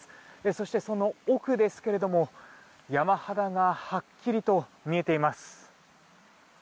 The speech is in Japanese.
そして、その奥ですけども山肌がはっきりと見えています。